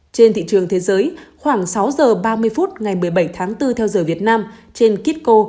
trên thị trường thế giới khoảng sáu giờ ba mươi phút ngày một mươi bảy tháng bốn theo giờ việt nam trên kitco